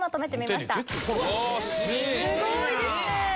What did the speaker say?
すごいですね！